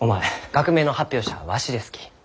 学名の発表者はわしですき。